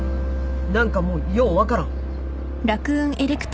何かもうよう分からん。